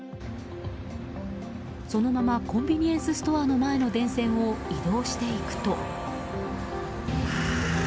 そのままコンビニエンスストアの前の電線を移動していくと。